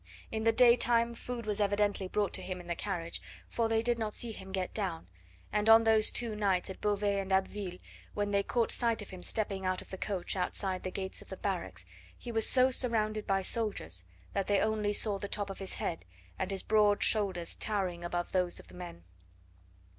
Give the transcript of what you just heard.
In the daytime food was evidently brought to him in the carriage, for they did not see him get down, and on those two nights at Beauvais and Abbeville, when they caught sight of him stepping out of the coach outside the gates of the barracks, he was so surrounded by soldiers that they only saw the top of his head and his broad shoulders towering above those of the men.